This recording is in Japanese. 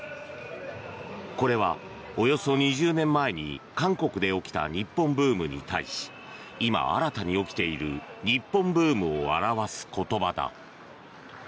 これは、およそ２０年前に韓国で起きた日本ブームに対し今新たに起きている日本ブームを表す言葉だ。